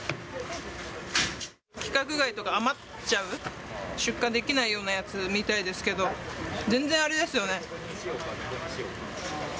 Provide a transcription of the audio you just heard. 規格外とか、余っちゃう出荷できないようなやつみたいですけど、全然あれですよね。